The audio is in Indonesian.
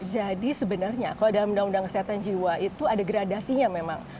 jadi sebenarnya kalau dalam undang undang kesehatan jiwa itu ada gradasinya memang